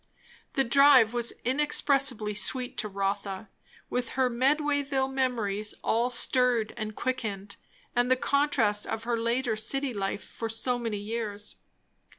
The drive was inexpressibly sweet to Rotha, with her Medwayville memories all stirred and quickened, and the contrast of her later city life for so many years.